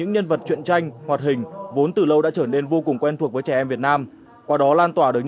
đây là hình ảnh có thể bắt gặp ở bất cứ cổng trường nào